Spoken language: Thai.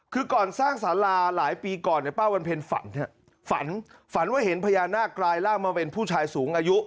คือก่อนสร้างสาราหลายปีก่อนเนี่ยป้าวันเพ็ญฝันฝันว่าเห็นพญานาคกลายร่างมาเป็นผู้ชายสูงอายุ